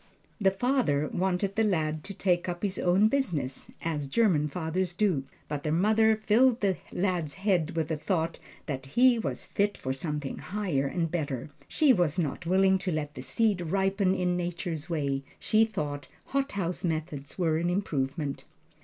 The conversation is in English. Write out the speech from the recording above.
The father wanted the lad to take up his own business, as German fathers do, but the mother filled the lad's head with the thought that he was fit for something higher and better. She was not willing to let the seed ripen in Nature's way she thought hothouse methods were an improvement.